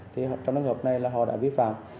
thì trong trường hợp này là họ đã vi phạm